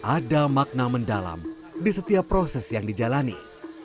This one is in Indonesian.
ada makna mendalam di setiap proses yang dijalani